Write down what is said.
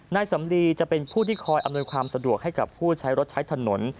นายสำลีจะเป็นผู้ที่คอยอำนวยความสะดวกให้กับผู้ใช้รถใช้ถนน